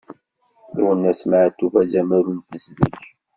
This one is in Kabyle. Lwennas Matoub azamul n tezdeg.